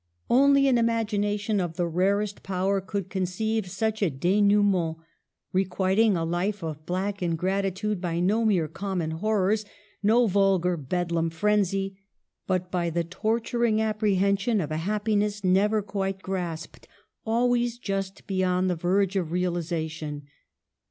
Only an imagination of the rarest power could conceive such a denouement, requiting a life of black ingratitude by no mere common horrors, no vulgar Bedlam frenzy ; but by the torturing apprehension of a happiness never quite grasped, always just beyond the verge of realization.